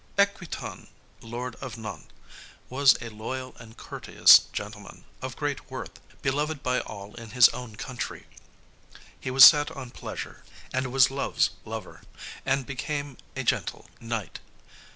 Equitan, lord of Nantes, was a loyal and courteous gentleman, of great worth, beloved by all in his own country. He was set on pleasure, and was Love's lover, as became a gentle knight.